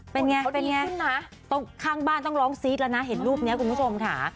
เป็นไงเป็นไงตรงข้างบ้านต้องร้องซีดละนะเห็นรูปเนี่ยคุณผู้ชมค่ะโอ้ดีขึ้นนะ